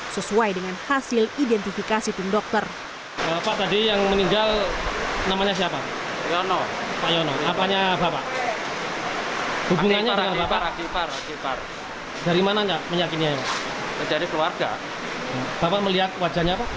sesuai dengan hasil identifikasi tim dokter